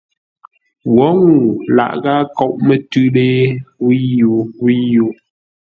Wǒ ŋuu laghʼ ghâa nkóʼ mətʉ́ lée wíyo wíyo.